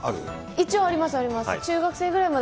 一応あります、あります。